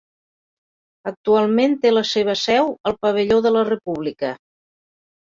Actualment té la seva seu al Pavelló de la República.